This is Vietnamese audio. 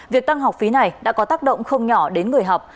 việc tăng học phí này đã có tác động không nhỏ đến người học